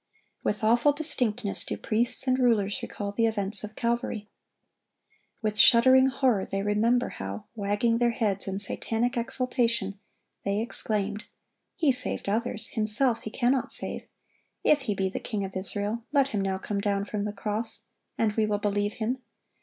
With awful distinctness do priests and rulers recall the events of Calvary. With shuddering horror they remember how, wagging their heads in satanic exultation, they exclaimed: "He saved others; Himself He cannot save. If He be the King of Israel, let Him now come down from the cross, and we will believe Him.